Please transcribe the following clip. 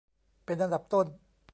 เป็นอันดับต้น